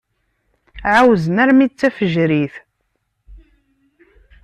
Ɛawzen armi d tafejrit.